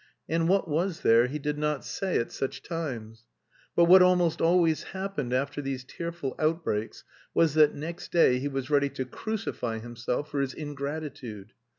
(And what was there he did not say at such times!) But what almost always happened after these tearful outbreaks was that next day he was ready to crucify himself for his ingratitude.